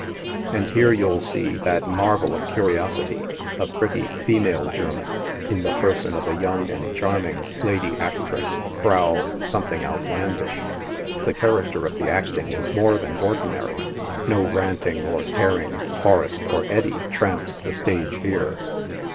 And here you'll see that marvel of curiosity, a pretty female German, in the person of a young and charming lady actress, "Frau"— ■ something outlandish. The character of the acting is more than or inary— no ranting or tearing Forrest or Eddy tramps the stage here.